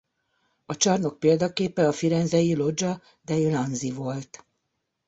A csarnok példaképe a firenzei Loggia dei Lanzi volt.